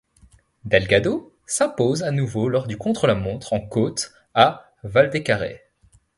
Delgado s'impose à nouveau lors du contre-la-montre en côte à Valdezcaray.